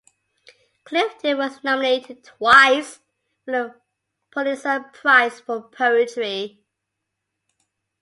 Clifton was nominated twice for the Pulitzer Prize for poetry.